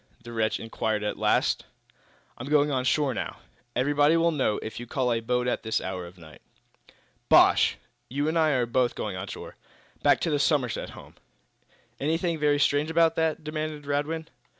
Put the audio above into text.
the wretch inquired, at last. "I'm going on shore now." "Everybody will know, if you call a boat at this hour of the night." "Bosh! You and I are both going on shore back to the Somerset House. Anything very strange about that?" demanded Radwin.